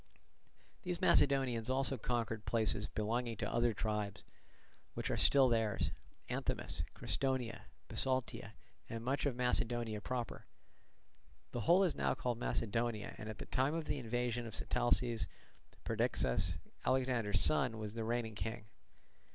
These Macedonians also conquered places belonging to the other tribes, which are still theirs—Anthemus, Crestonia, Bisaltia, and much of Macedonia proper. The whole is now called Macedonia, and at the time of the invasion of Sitalces, Perdiccas, Alexander's son, was the reigning king.